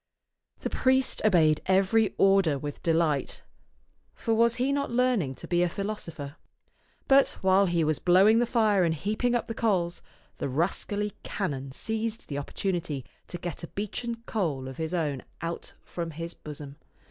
The priest obeyed every order with delight, for was he not learning to be a philosopher? But while he was blowing the fire and heaping up the coals, the rascally canon seized the opportunity to get a beechen coal of €^t Canon'0 ^^oman'0 $afe 209 his own out from his bosom.